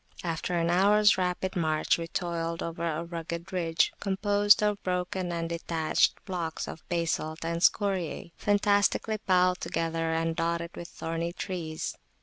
After an hours rapid march we toiled over a rugged ridge, composed of broken and detached blocks of basalt and scoriæ, fantastically piled together, and dotted with thorny trees.